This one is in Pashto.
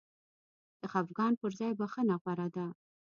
د خفګان پر ځای بخښنه غوره ده.